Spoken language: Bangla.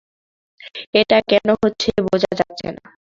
এটা কেন হচ্ছে বোঝা যাচ্ছে না।